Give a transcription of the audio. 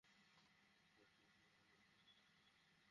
এতে বিরক্ত হয়ে বখতিয়ার লাইসেন্স করা পিস্তল দিয়ে চার-পাঁচটি গুলি ছোড়েন।